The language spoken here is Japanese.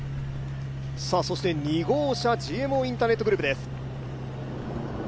２号車、ＧＭＯインターネットグループです。